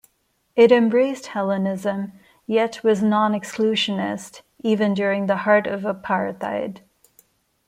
It embraced Hellenism, yet was non-exclusionist, even during the heart of apartheid.